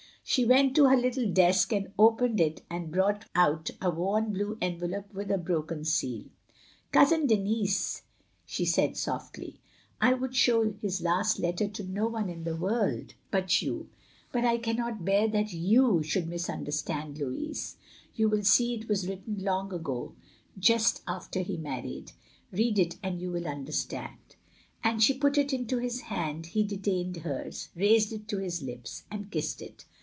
She went to her little desk, and opened it, and brought out a worn blue envelope with a broken seal. "Coxisin Denis, she said softly, "I would show his last letter to no one in the world but 352 THE LONELY LADY you. But I cannot bear that you should mis understand Louis. You will see it was written long ago. ... just after he married. Read it — and you will understand. " As she put it into his hand, he detained hers, raised it to his lips, and kissed it.